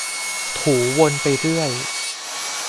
ถูวนไปเรื่อย